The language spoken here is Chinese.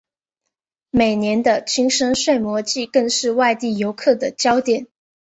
每年的青森睡魔祭更是外地游客的焦点。